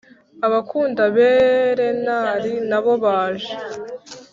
abakunda berenari nabo baje